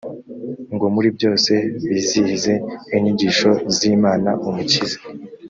ngo muri byose bizihize inyigisho z imana umukiza